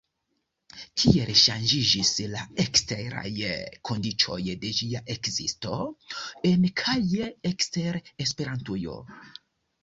Kiel ŝanĝiĝis la eksteraj kondiĉoj de ĝia ekzisto, en kaj ekster Esperantujo?